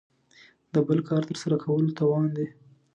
د بل کار تر سره کولو توان دی.